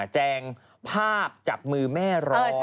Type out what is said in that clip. แจงภาพจับมือแม่รอ